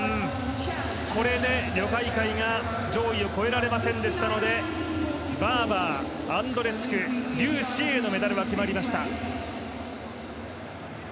これで、ロ・カイカイが上位を超えられませんでしたのでバーバー、アンドレチクリュウ・シエイのメダルは決まりました。